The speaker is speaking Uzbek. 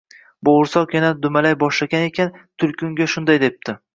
Bo’g’irsoq yana dumalay boshlagan ekan, tulki unga shunday debdi: